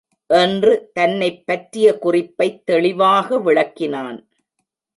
என்று தன்னைப்பற்றிய குறிப்பைத் தெளிவாக விளக்கினான்.